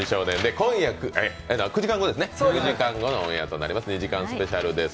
今夜、９時間後のオンエアとなります。